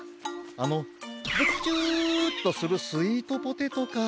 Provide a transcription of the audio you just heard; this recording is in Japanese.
あのブッチュとするスイートポテトか。